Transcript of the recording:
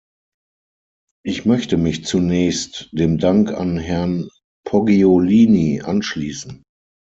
Ich möchte mich zunächst dem Dank an Herrn Poggiolini anschließen.